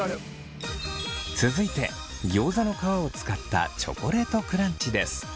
続いてギョーザの皮を使ったチョコレートクランチです。